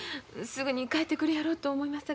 すぐに帰ってくるやろと思います